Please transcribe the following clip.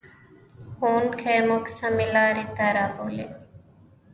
ښوونکی موږ سمې لارې ته رابولي.